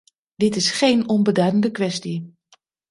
Dit is geen onbeduidende kwestie.